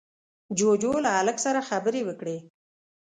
جُوجُو له هلک سره خبرې وکړې.